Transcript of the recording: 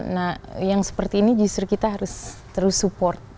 nah yang seperti ini justru kita harus terus support